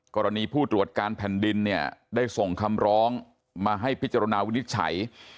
กรณีผู้ตรวจการแผ่นดินเนี่ยได้ส่งคำร้องมาให้พิจารณาวินิจฉัย